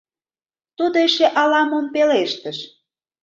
Тудо эше ала-мом пелештыш.